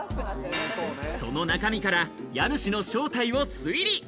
その中身から家主の正体を推理！